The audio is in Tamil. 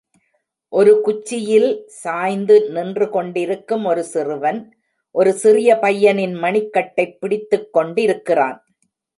ஒரு குச்சியில் சாய்ந்து நின்றுகொண்டிருக்கும் ஒரு சிறுவன் ஒரு சிறிய பையனின் மணிக்கட்டைப் பிடித்துக்கொண்டிருக்கிறான்.